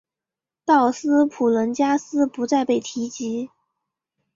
道斯普伦加斯不再被提及。